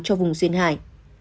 cho vùng xuyên hải